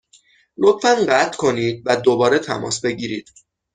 لطفا قطع کنید و دوباره تماس بگیرید.